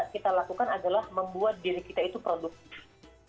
kita lakukan adalah membuat diri kita itu produktif